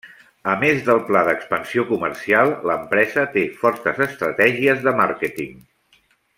A més del pla d'expansió comercial, l'empresa té fortes estratègies de màrqueting.